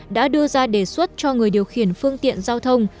đã đưa ra đề xuất cho người điều khiển phương tiện giao thông